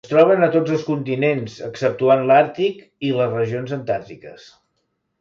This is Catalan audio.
Es troben a tots els continents, exceptuant l'Àrtic i les regions Antàrtiques.